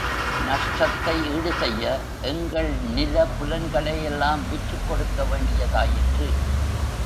நஷ்டத்தை ஈடு செய்ய எங்கள் நில புலன்களெல்லாம் விற்றுக் கொடுக்க வேண்டியதாயிற்று.